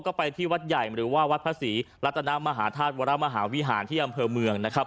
ก็ไปที่วัดใหญ่หรือว่าวัดพระศรีรัตนมหาธาตุวรมหาวิหารที่อำเภอเมืองนะครับ